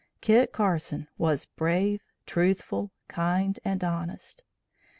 Kit Carson was brave, truthful, kind and honest.